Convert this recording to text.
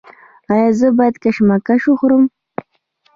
ایا زه باید کشمش وخورم؟